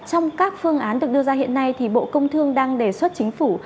trong các phương án được đưa ra hiện nay thì bộ công thương đang đề xuất chính phủ